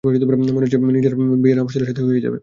মনে হচ্ছে নির্জারার বিয়ে রামেশ্বরের সাথে হয়েই যাবে।